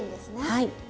はい。